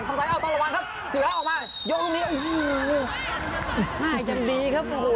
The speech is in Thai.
นี่คงหมายถึงนะครับ